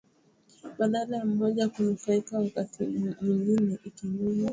badala ya moja kunufaika wakati nyingine ikinyonywa